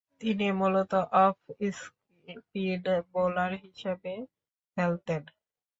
তিনি মূলতঃ off spin bowler হিসেবে খেলতেন।